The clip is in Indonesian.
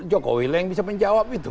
jokowi lah yang bisa menjawab itu